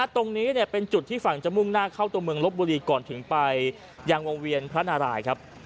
ตรงนี้เป็นจุดที่ฝั่งจะมุ่งหน้าเข้าตัวเมืองลบบุรีก่อนถึงไปยังวงเวียนพระนารายครับ